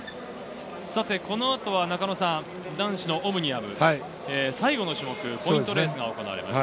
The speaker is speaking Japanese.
この後は男子のオムニアム、最後の種目、ポイントレースが行われます。